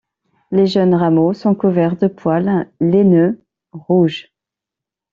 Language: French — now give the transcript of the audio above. Les jeunes rameaux sont couverts de poils laineux rouges.